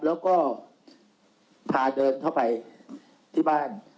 แล้วก็พาเดินเข้าไปที่บ้าน